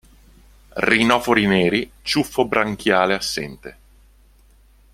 Rinofori neri, ciuffo branchiale assente.